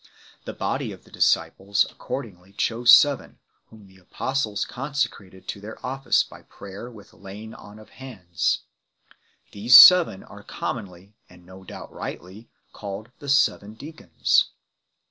The body of the disciples accordingly chose seven, whom the apostles con secrated to their office by prayer with laying on of hands 2 . These seven are commonly, and no doubt rightly, called the Seven Deacons.